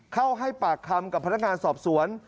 เข้าให้ปากคำกับพนักงานสอบสวน